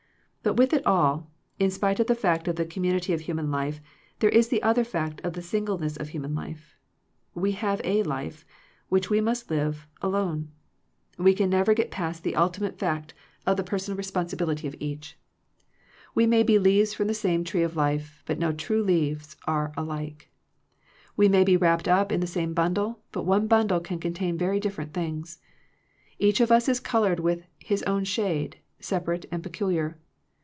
But with it all, in spite of the fact of the community of human life, there is the other fact of the singleness of human life. We have a life, which we must live alone. We can never get past the ultimate fact of the perscrnal responsi 202 Digitized by VjOOQIC THE LIMITS OF FRIENDSHIP bility of each. We may be leaves from the same tree of life, but no two leaves are alike. We may be wrapped up in the same bundle, but one bundle can contain very different things. Each of us is colored with his own shade, sepa rate and peculiar.